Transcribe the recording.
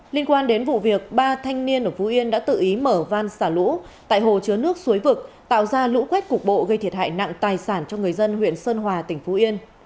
liên quan đến vụ việc ba thanh niên ở phú yên đã tự ý mở van xả lũ tại hồ chứa nước suối vực tạo ra lũ quét cục bộ gây thiệt hại nặng tài sản cho người dân huyện sơn hòa tỉnh phú yên